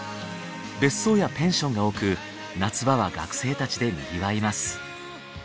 別荘やペンションが多く夏場は学生たちでにぎわいます。